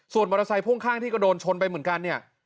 ส่วนมอเตอร์ไซค่วงข้างที่ก็โดนชนไปเหมือนกันเนี่ย